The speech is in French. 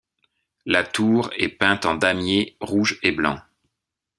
La tour est peinte en damiers rouges et blancs.